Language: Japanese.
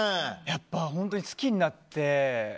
やっぱり本当に好きになって。